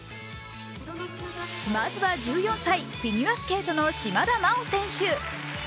まずは、１４歳フィギュアスケートの島田麻央選手。